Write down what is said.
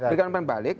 berikan tempat balik